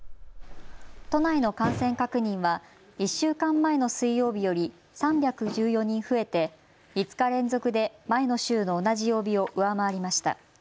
都内の感染確認は１週間前の水曜日より３１４人増えて５日連続で前の週の同じ曜日を上回りました。